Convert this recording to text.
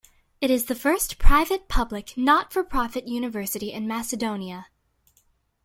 It is the first private-public not for profit university in Macedonia.